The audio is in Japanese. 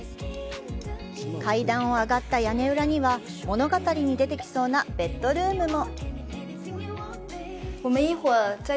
階段を上がった屋根裏には、物語に出てきそうなベッドルームも。